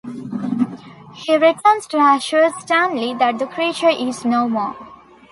He returns to assure Stanley that the creature is no more.